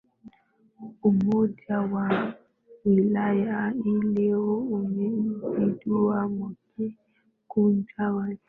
umoja wa wilaya hii leo umezidua mradi mkubwa wa nishati